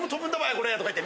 これとか言って。